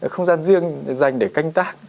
không gian riêng dành để canh tác